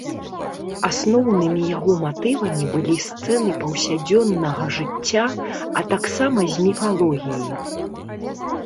Асноўнымі яго матывамі былі сцэны паўсядзённага жыцця, а таксама з міфалогіі.